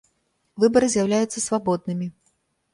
Выбары з’яўляюцца свабоднымі.